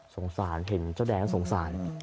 สงสารเห็นเจ้าแดงแล้วสงสาร